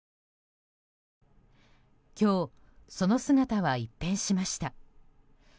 今日、その姿は一変しました。